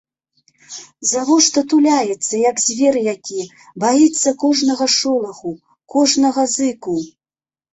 Завошта туляецца, як звер які, баіцца кожнага шолаху, кожнага зыку?